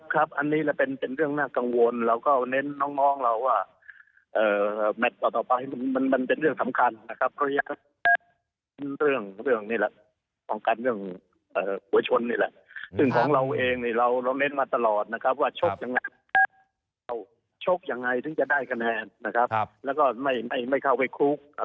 ครับครับอันนี้เป็นเรื่องน่ากลังวล